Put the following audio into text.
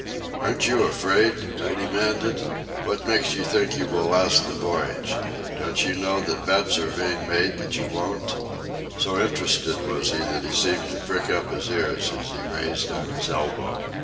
"Aren't you afraid?" I demanded. "What makes you think you will last the voyage? Don't you know bets are being made that you won't?" So interested was he that he seemed to prick up his ears as he raised on his elbow.